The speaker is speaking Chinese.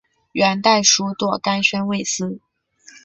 元代属朵甘宣慰司。